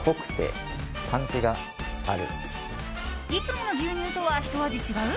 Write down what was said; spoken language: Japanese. いつもの牛乳とはひと味違う？